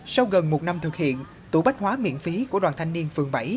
sau gần một năm thực hiện tủ bách hóa miễn phí của đoàn thanh niên phường bảy